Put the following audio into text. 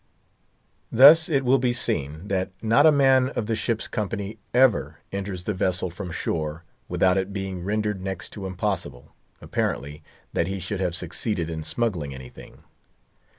Thus it will be seen that not a man of the ship's company ever enters the vessel from shore without it being rendered next to impossible, apparently, that he should have succeeded in smuggling anything.